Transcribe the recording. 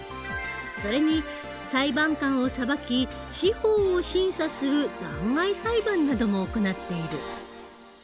それに裁判官を裁き司法を審査する弾劾裁判なども行っている。